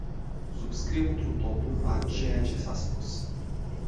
Subscriu întru totul la ceea ce s-a spus.